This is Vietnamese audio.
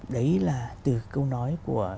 đấy là từ câu nói của